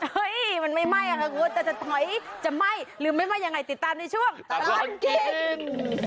เฮ้ยมันไม่ไหม้ค่ะคุณแต่จะถอยจะไหม้หรือไม่ไหม้ยังไงติดตามในช่วงตลอดกิน